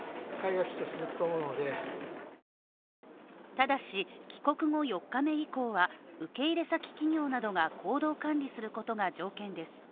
ただし、帰国後４日目以降は、受け入れ先企業などが行動管理することが条件です。